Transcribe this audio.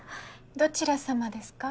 どちら様ですか？